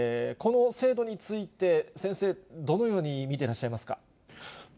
この制度について、先生、どのように見てらっしゃいますか？